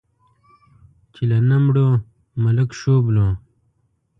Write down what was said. چې له نه مړو، ملک شوبلو.